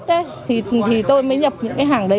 thì tôi mới nhập những cái hàng đấy